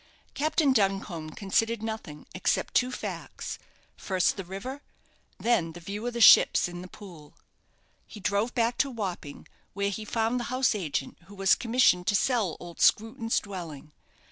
Captain Duncombe considered nothing, except two facts first the river, then the view of the ships in the Pool. He drove back to Wapping, where he found the house agent who was commissioned to sell old Screwton's dwelling.